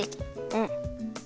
うん。